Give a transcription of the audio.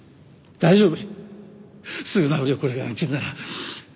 大丈夫。